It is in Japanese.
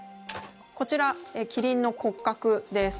こちらキリンの骨格です。